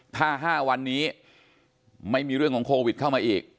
ถ้า๕วันนี้ไม่มีเรื่องของโควิดเข้ามาอีก